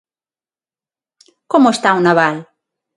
¿Como está o naval?